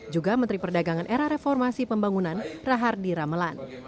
juga menteri perdagangan era reformasi pembangunan rahardi ramelan